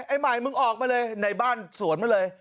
ไอ้ใหม่มึงออกมาเลยในบ้านสวนมาเลย